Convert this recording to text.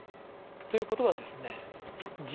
ということはですね